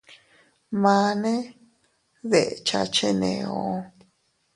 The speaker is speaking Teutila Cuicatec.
Mane dekcha cheneo.